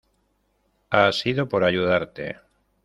ha sido por ayudarte.